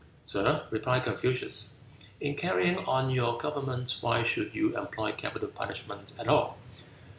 "Sir," replied Confucius, "in carrying on your government why should you employ capital punishment at all?